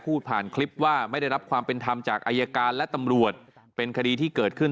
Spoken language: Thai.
พูดผ่านคลิปว่าไม่ได้รับความเป็นธรรมจากอายการและตำรวจเป็นคดีที่เกิดขึ้น